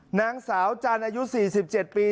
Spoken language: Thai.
นางสาวจันทร์อายุ๔๗ปี